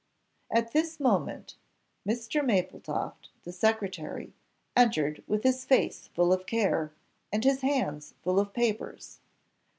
At this moment Mr. Mapletofft, the secretary, entered with his face full of care, and his hands full of papers.